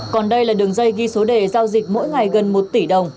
còn đây là đường dây ghi số đề giao dịch mỗi ngày gần một tỷ đồng